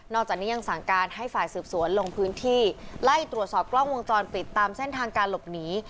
จากนี้ยังสั่งการให้ฝ่ายสืบสวนลงพื้นที่ไล่ตรวจสอบกล้องวงจรปิดตามเส้นทางการหลบหนี